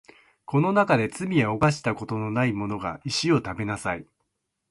この中で罪を犯したことのないものが石を食べなさい